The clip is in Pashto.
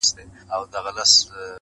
څوك به ليكي قصيدې د كونړونو-